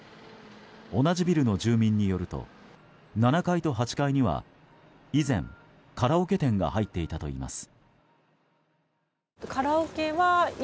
同じビルの住民によると７階と８階には以前、カラオケ店が入っていたといいます。